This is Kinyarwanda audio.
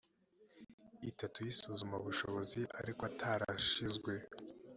itatu y isuzumabushobozi ariko atarashyizwe